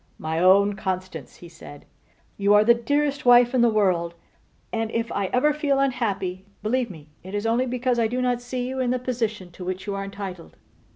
'My own Constance,' he said, 'you are the dearest wife in the world; and if I ever feel unhappy, believe me it is only because I do not see you in the position to which you are entitled.